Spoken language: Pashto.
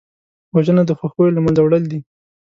وژنه د خوښیو له منځه وړل دي